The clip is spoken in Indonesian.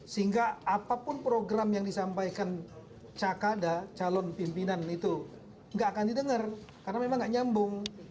sehingga apapun program yang disampaikan cakada calon pimpinan itu nggak akan didengar karena memang nggak nyambung